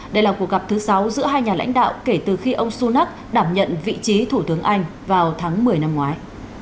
đây là cuộc gặp thứ sáu giữa hai nhà lãnh đạo kể từ khi ông sunak đảm nhận vị trí thủ tướng anh vào tháng một mươi năm ngoái